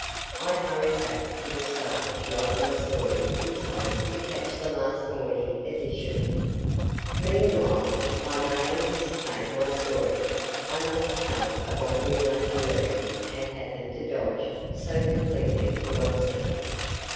I hurried back to the Star to write my story in time to catch the last morning edition. ........ Meanwhile, if I may anticipate my story, I must tell of what we later learned had happened to Dodge so completely to upset him.